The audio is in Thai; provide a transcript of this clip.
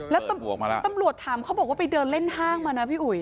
แล้วตำรวจถามเขาบอกว่าไปเดินเล่นห้างมานะพี่อุ๋ย